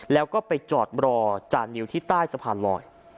แล้วก็ไปจอดรอจานิวที่ใต้สะพานลอย